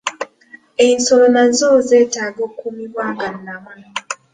Ensolo nazo zeetaaga okuumibwa nga nnamu.